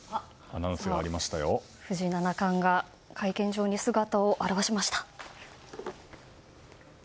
藤井七冠が会見場に姿を現しました。